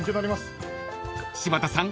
［柴田さん